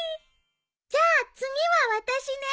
じゃあ次は私ね。